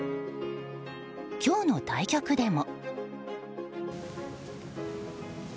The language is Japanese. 今日の対局でも。